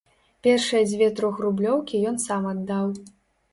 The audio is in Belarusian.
Першыя дзве трохрублёўкі ён сам аддаў.